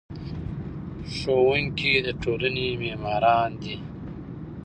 ښوونکي د ټولنې معماران دي.